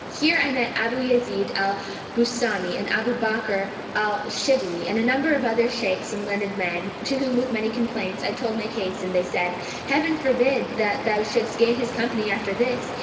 Here I met Abu Yazνd al Bustαmi and Abu Bakr al Shibli and a number of other Shaykhs and learned men, to whom with many complaints, I told my case and they said, 'Heaven forbid that thou shouldst gain his company after this!